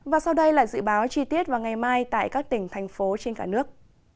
và sau đây là dự báo chi tiết vào ngày mai tại các tỉnh thành phố trên cả nước